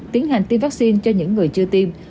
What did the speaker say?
tiến hành tiêm vaccine cho những người chưa tiêm